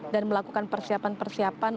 dan melakukan persiapan persiapan